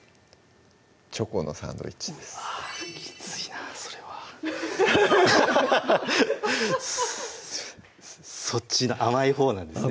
チョコのサンドイッチですうわきついなそれはそっちの甘いほうなんですね